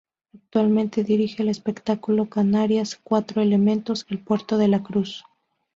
Actualmente dirige el espectáculo "Canarias cuatro elementos" en Puerto de la Cruz.